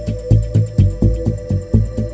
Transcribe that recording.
ก็ยังต้องขอบคุณครอบครัวเอง